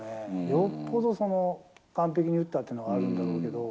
よっぽど完璧に打ったっていうのがあったんだろうけど。